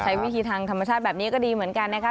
วิธีทางธรรมชาติแบบนี้ก็ดีเหมือนกันนะคะ